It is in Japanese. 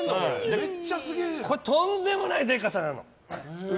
これ、とんでもないでかさなの。